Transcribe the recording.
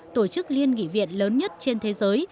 tổ chức liên nghị viện lớn nhất trên thế giới